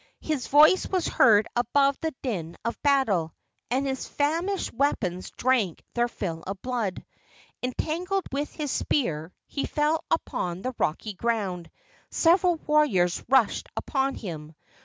His voice was heard above the din of battle, and his famished weapons drank their fill of blood. Entangled with his spear, he fell upon the rocky ground. Several warriors rushed upon him.